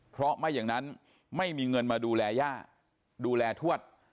เพราะไม่อย่างนั้นไม่มีเงินมาดูแลย่าดูแลทวด